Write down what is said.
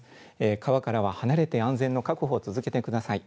川からは離れて、安全の確保を続けてください。